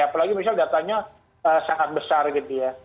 apalagi misal datanya sangat besar gitu ya